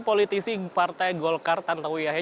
politisi partai golkar tante wiyahe